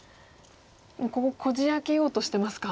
こここじ開けようとしてますか？